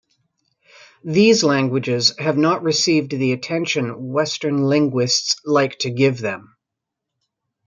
These languages have not received the attention Western linguists like to give them.